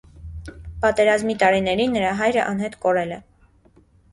Պատերազմի տարիներին նրա հայրը անհետ կորել է։